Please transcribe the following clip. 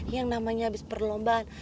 yang namanya abis perlombaan